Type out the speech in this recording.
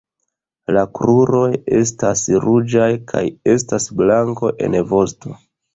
La kruroj estas ruĝaj kaj estas blanko en vosto.